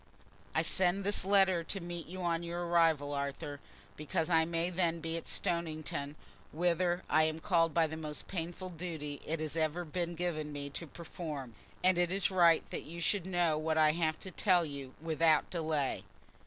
_"I send this letter to meet you on your arrival, Arthur, because I may then be at Stoniton, whither I am called by the most painful duty it has ever been given me to perform, and it is right that you should know what I have to tell you without delay.